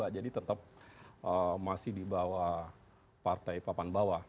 jadi tetap masih di bawah partai papan bawah